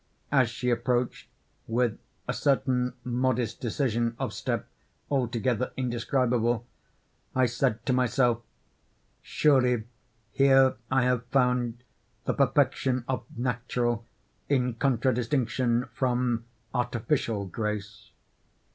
As she approached, with a certain modest decision of step altogether indescribable. I said to myself, "Surely here I have found the perfection of natural, in contradistinction from artificial grace."